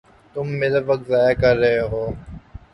تم میرا وقت ضائع کر رہے ہو